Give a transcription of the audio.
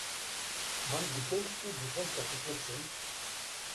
Wann gedenkst du die Fenster zu putzen?